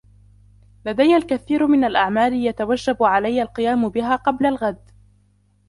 لدي الكثير من الاعمال يتوجب علي القيام بها قبل الغد.